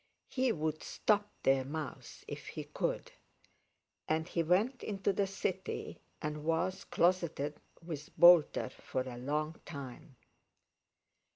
He would stop their mouths if he could, and he went into the City, and was closeted with Boulter for a long time.